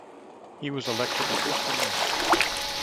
He was elected the first Emir.